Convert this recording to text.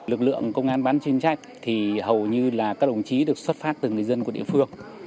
lực lượng công an bán chuyên trách thì hầu như là các đồng chí được xuất phát từ người dân của địa phương